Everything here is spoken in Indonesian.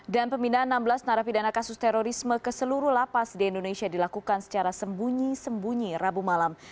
dan pemindahan enam belas narapidana kasus terorisme ke seluruh lapas di indonesia dilakukan secara sembunyi sembunyi rabu malam